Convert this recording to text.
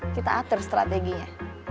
kita atur strateginya